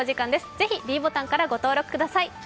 ぜひｄボタンからご登録ください。